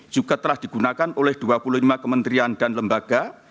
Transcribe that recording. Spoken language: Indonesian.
juga telah digunakan oleh dua puluh lima kementerian dan lembaga